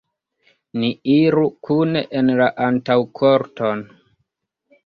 Ni iru kune en la antaŭkorton.